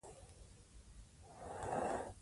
نجونې خپل مهارت شریک کړي، تر څو باور او همکاري زیاتېږي.